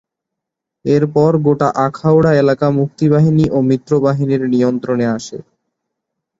এরপর গোটা আখাউড়া এলাকা মুক্তিবাহিনী ও মিত্রবাহিনীর নিয়ন্ত্রণে আসে।